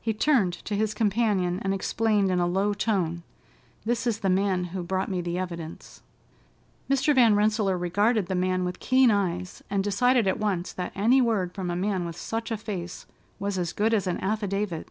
He turned to his companion and explained in a low tone, "This is the man who brought me the evidence." Mr. Van Rensselaer regarded the man with keen eyes, and decided at once that any word from a man with such a face was as good as an affidavit.